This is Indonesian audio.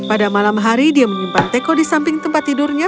pada malam hari dia menyimpan teko di samping tempat tidurnya